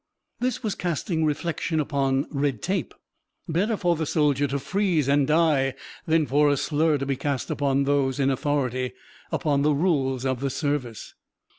This was casting reflection upon Red Tape! Better for the soldier to freeze and die, than for a slur to be cast upon those in authority, upon the rules of the service!